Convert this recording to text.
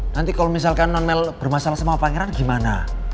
nanti kalo misalkan nonmel bermasalah sama pangeran gimana